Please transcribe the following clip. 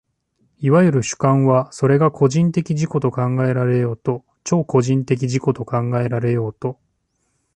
いわゆる主観は、それが個人的自己と考えられようと超個人的自己と考えられようと、